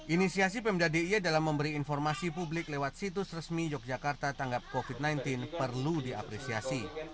inisiasi pemda d i e dalam memberi informasi publik lewat situs resmi yogyakarta tanggap covid sembilan belas perlu diapresiasi